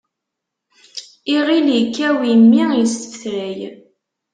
Iɣil ikkaw, immi isfetray.